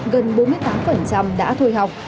gần bốn mươi tám đã thôi học